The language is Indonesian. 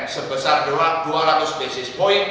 sebesar dua ratus basis point